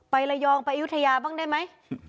ระยองไปอายุทยาบ้างได้ไหม